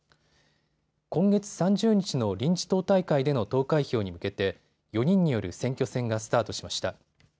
今月３０日の臨時党大会での投開票に向けて４人による選挙戦がスタートしました。